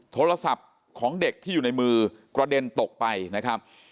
โทรศัพท์ของเด็กที่อยู่ในมือกระเด็นตกไปนะครับ